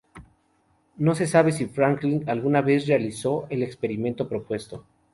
No se sabe si Franklin alguna vez realizó el experimento propuesto.